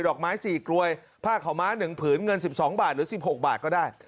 อกไม้๔กรวยผ้าขาวม้า๑ผืนเงิน๑๒บาทหรือ๑๖บาทก็ได้